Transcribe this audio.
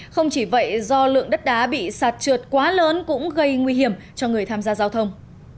không chỉ vậy do lượng đất đá bị sạt trượt quá lớn cũng gây nguy hiểm cho người tham gia giao thông